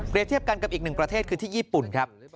เทียบกันกับอีกหนึ่งประเทศคือที่ญี่ปุ่นครับ